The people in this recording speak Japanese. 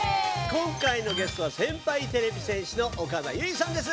今回のゲストは先輩てれび戦士の岡田結実さんです！